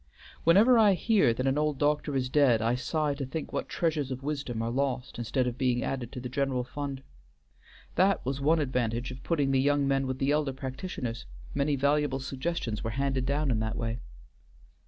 Whenever I hear that an old doctor is dead I sigh to think what treasures of wisdom are lost instead of being added to the general fund. That was one advantage of putting the young men with the elder practitioners; many valuable suggestions were handed down in that way."